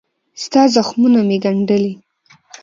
ستا زخمونه مې ګنډلي